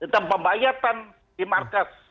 tentang pembayatan di markas